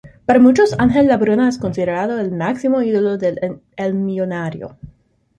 Para muchos, Ángel Labruna es considerado el máximo ídolo de El Millonario.